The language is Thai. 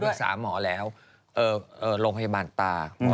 อเจมส์อคุณภาคมันต้องไปที่นี่ด้วย